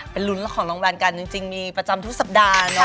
ลุ้นของรางวัลกันจริงมีประจำทุกสัปดาห์เนาะ